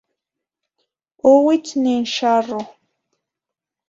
Ouitz nin xarroh.